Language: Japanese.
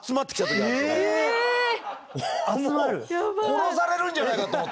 殺されるんじゃないかと思って。